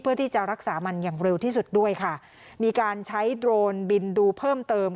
เพื่อที่จะรักษามันอย่างเร็วที่สุดด้วยค่ะมีการใช้โดรนบินดูเพิ่มเติม